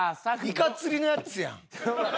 イカ釣りのやつやん！